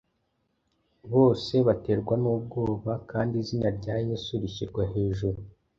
Bose baterwa n’ubwoba, kandi izina rya Yesu rishyirwa hejuru.”.